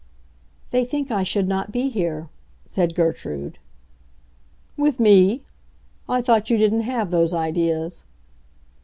"They think I should not be here," said Gertrude. "With me? I thought you didn't have those ideas."